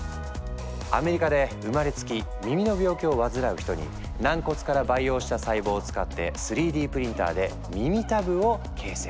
アメリカで生まれつき耳の病気を患う人に軟骨から培養した細胞を使って３Ｄプリンターで耳たぶを形成。